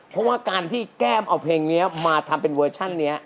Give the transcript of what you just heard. เพราะว่าการที่แก้มเอาเพลงนี้มาทำเป็นเวอร์ชันนี้